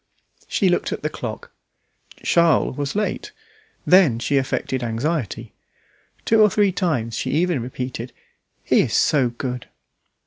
She looked at the clock. Charles was late. Then, she affected anxiety. Two or three times she even repeated, "He is so good!"